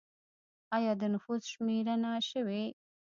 آیا د نفوس شمېرنه شوې؟